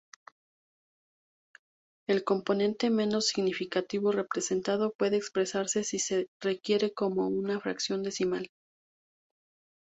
El componente menos significativo representado puede expresarse, si se requiere, como una fracción decimal.